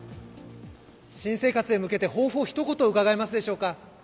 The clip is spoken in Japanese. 新生活へ向けて、抱負を一言伺えますでしょうか。